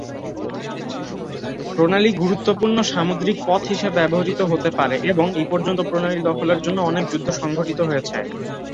প্রণালী গুরুত্বপূর্ণ সামুদ্রিক পথ হিসেবে ব্যবহৃত হতে পারে এবং এই পর্যন্ত প্রণালী দখলের জন্য অনেক যুদ্ধ সংঘটিত হয়েছে।